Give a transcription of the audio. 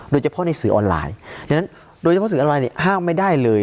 โดยเฉพาะในสื่อออนไลน์ฉะนั้นโดยเฉพาะสื่อออนไลน์เนี่ยห้ามไม่ได้เลย